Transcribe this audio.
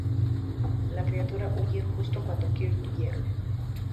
La criatura huye justo cuando Kirk llega.